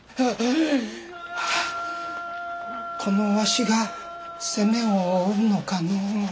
このわしが責めを負うのかのう。